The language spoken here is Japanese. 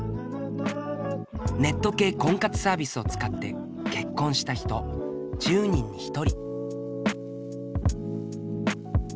ネット系婚活サービスを使って結婚した人１０人に１人。